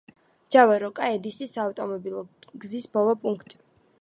ჯავა–როკა–ედისის საავტომობილო გზის ბოლო პუნქტი.